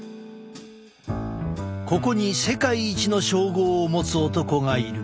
ここに世界一の称号を持つ男がいる。